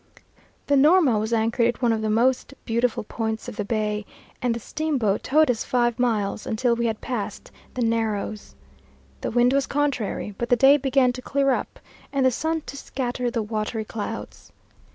The Norma was anchored in one of the most beautiful points of the bay, and the steamboat towed us five miles, until we had passed the Narrows. The wind was contrary, but the day began to clear up, and the sun to scatter the watery clouds.